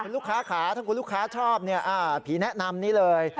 ลูกค้าขาถ้าคุณลูกค้าชอบผีแนะนำนี้เลย